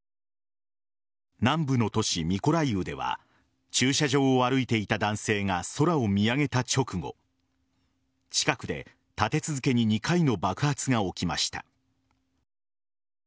南部の都市・ミコライウでは駐車場を歩いていた男性が空を見上げた直後近くで、立て続けに２回の爆発が起きました。